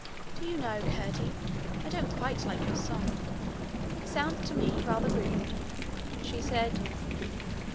'Do you know, Curdie, I don't quite like your song: it sounds to me rather rude,' she said.